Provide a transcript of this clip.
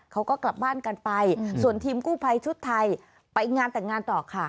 เขาก็กลับบ้านกันไปส่วนทีมกู้ภัยชุดไทยไปงานแต่งงานต่อค่ะ